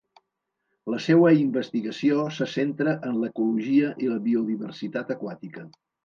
La seua investigació se centra en l’ecologia i la biodiversitat aquàtica.